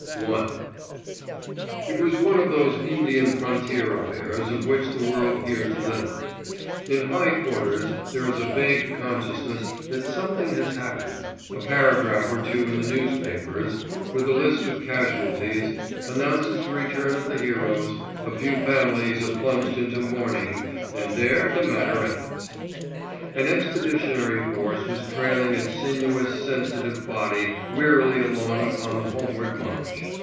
*I* It was one of those Indian Frontier affairs of which the world hears little. In high quarters there is a vague consciousness that something has happened, a paragraph or two in the newspapers, with a list of casualties, announces the return of the heroes, a few families are plunged into mourning and there the matter ends. An expeditionary force was trailing its sinuous, sensitive body wearily along upon the homeward march.